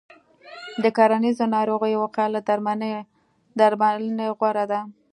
د کرنیزو ناروغیو وقایه له درملنې غوره ده.